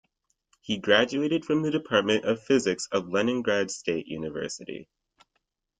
He graduated from the Department of Physics of Leningrad State University.